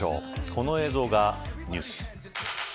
この映像がニュース。